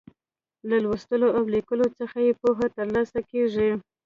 له لوستلو او ليکلو څخه يې پوهه تر لاسه کیږي.